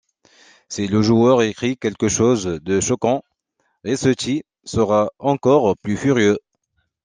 Si le joueur écrit quelque chose de choquant, Resetti sera encore plus furieux.